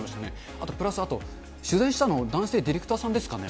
あとプラス、取材したの、男性ディレクターさんですかね。